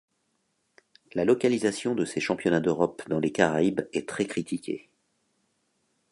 La localisation de ces championnats d'Europe dans les Caraïbes est très critiqué.